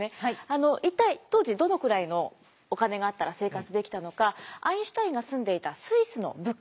あの一体当時どのくらいのお金があったら生活できたのかアインシュタインが住んでいたスイスの物価見ていきます。